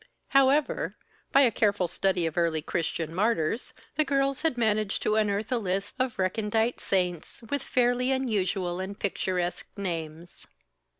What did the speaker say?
However, by a careful study of early Christian martyrs, the girls had managed to unearth a list of recondite saints with fairly unusual and picturesque names.